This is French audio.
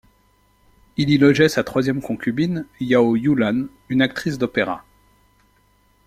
Il y logeait sa troisième concubine, Yao Yulan, une actrice d’opéra.